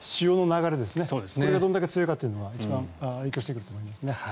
これがどれだけ強いかが一番影響してくると思います。